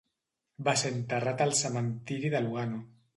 Va ser enterrat al cementiri de Lugano.